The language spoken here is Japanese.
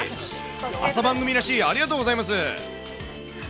朝番組らしい、ありがとうございます。